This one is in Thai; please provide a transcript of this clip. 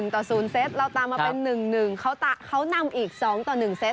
ต่อ๐เซตเราตามมาเป็น๑๑เขานำอีก๒ต่อ๑เซต